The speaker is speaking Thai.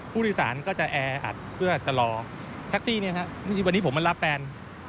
ผู้โดยสารก็จะแออัดเพื่อจะรอแท็กซี่วันนี้ผมมารับแฟน